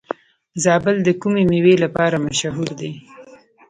زابل د کومې میوې لپاره مشهور دی؟